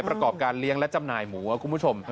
ประกอบการเลี้ยงและจำหน่ายหมูครับคุณผู้ชม